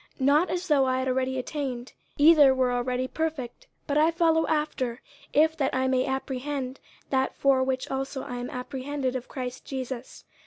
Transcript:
50:003:012 Not as though I had already attained, either were already perfect: but I follow after, if that I may apprehend that for which also I am apprehended of Christ Jesus.